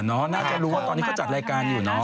น่าจะรู้ว่าตอนนี้เขาจัดรายการอยู่เนาะ